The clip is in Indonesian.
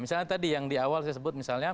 misalnya tadi yang di awal saya sebut misalnya